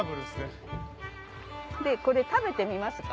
これ食べてみますか？